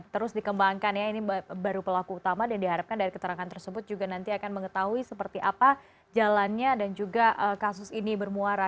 terus dikembangkan ya ini baru pelaku utama dan diharapkan dari keterangan tersebut juga nanti akan mengetahui seperti apa jalannya dan juga kasus ini bermuara